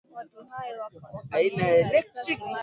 Bila shaka maambukizi yanaweza kutokea